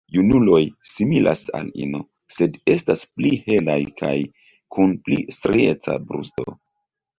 Junuloj similas al ino, sed estas pli helaj kaj kun pli strieca brusto.